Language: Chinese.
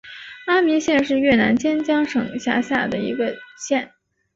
安明县是越南坚江省下辖的一个县。